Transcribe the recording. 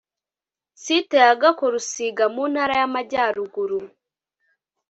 Site ya Gako Rusiga muntara yamajyaruguru